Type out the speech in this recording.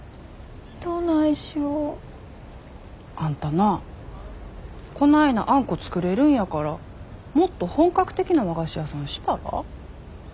どないしよ。あんたなあこないなあんこ作れるんやからもっと本格的な和菓子屋さんしたら？